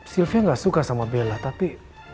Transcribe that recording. sylvia gak suka sama bella tapi